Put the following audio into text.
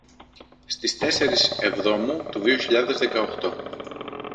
στις τεσσερις εβδόμου του δύο χιλιάδες δέκα οκτώ